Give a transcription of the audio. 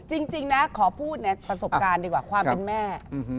จริงนะขอพูดในประสบการณ์ดีกว่าความเป็นแม่